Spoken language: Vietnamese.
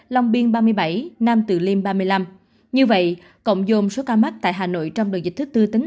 long biên ba mươi bảy nam từ liêm ba mươi năm như vậy cộng dồn số ca mắc tại hà nội trong đợt dịch thứ tư tính